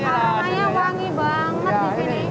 karena wangi banget di sini